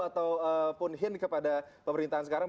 ataupun hint kepada pemerintahan sekarang